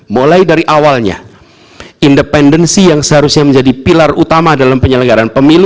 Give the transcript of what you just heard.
mulai dari awalnya independensi yang seharusnya menjadi pilar utama dalam penyelenggaran pemilu